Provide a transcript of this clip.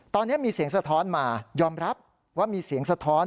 ตอนนี้มีเสียงสะท้อนมายอมรับว่ามีเสียงสะท้อน